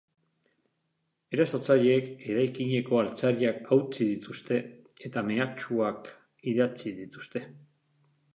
Erasotzaileek eraikineko altzariak hautsi dituzte eta mehatxuak idatzi dituzte.